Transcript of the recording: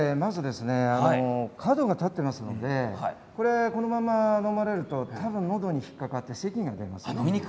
角が立っていますのでこれを、このままのまれると多分のどに引っ掛かってしまいます。